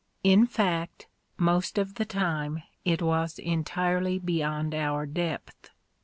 In fact most of the time, it was entirely beyond our depth.